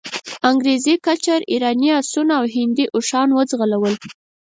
انګریزي کچر، ایراني آسونه او هندي اوښان وځغلول.